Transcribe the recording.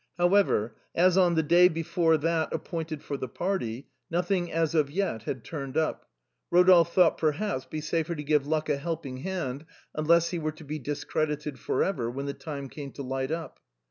However, as on the day before that appointed for the party, nothing had as yet turned up, Rodolphe thought it would perhaps be safer to give luck a helping hand, unless he were to be discredited for ever, when the time came to light up.